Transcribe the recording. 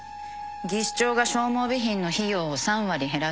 技師長が消耗備品の費用を３割減らせって。